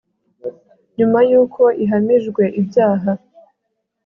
nyuma y'uko ihamijwe ibyaha